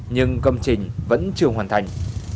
nhưng công trình vẫn chưa hoàn thành